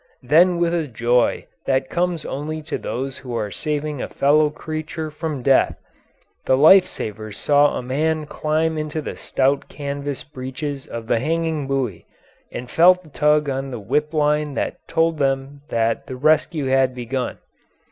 Then with a joy that comes only to those who are saving a fellow creature from death, the life savers saw a man climb into the stout canvas breeches of the hanging buoy, and felt the tug on the whip line that told them that the rescue had begun.